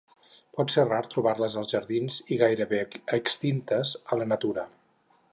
Pot ser rar trobar-les als jardins i gairebé extintes a la natura.